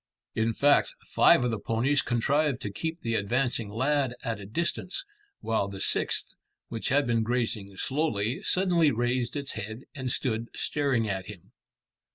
In fact, five of the ponies contrived to keep the advancing lad at a distance, while the sixth, which had been grazing slowly, suddenly raised its head and stood staring at him.